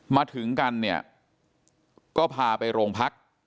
มาถึงกันเนี่ยก็พาไปโรงพัก